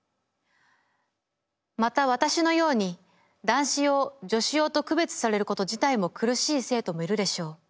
また私のように『男子用』『女子用』と区別されること自体も苦しい生徒もいるでしょう。